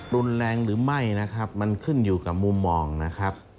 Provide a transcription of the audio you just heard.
รุนแรงหรือไม่นะครับมันขึ้นอยู่กับมุมมองนะครับ